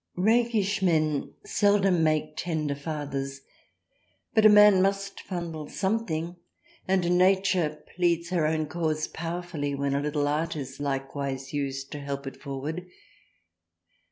Rakish men seldom make tender fathers but a man must fondle something and Nature pleads her own cause powerfully when a little Art is likewise used to help it forward.